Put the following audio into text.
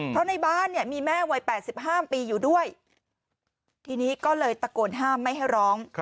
เพราะในบ้านเนี่ยมีแม่วัย๘๕ปีอยู่ด้วยทีนี้ก็เลยตะโกนห้ามไม่ให้ร้อง